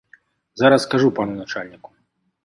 Зараз скажу пану начальніку.